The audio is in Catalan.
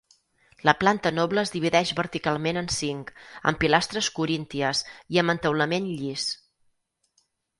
La planta noble es divideix verticalment en cinc, amb pilastres corínties i amb entaulament llis.